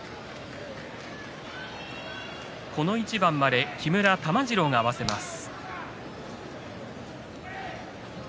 この一番まで木村玉治郎が合わせます。